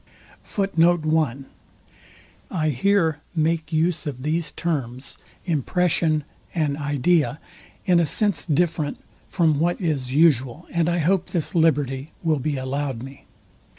I here make use of these terms, impression and idea, in a sense different from what is usual, and I hope this liberty will be allowed me.